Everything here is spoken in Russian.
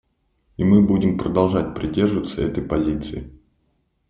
И мы будем продолжать придерживаться этой позиции.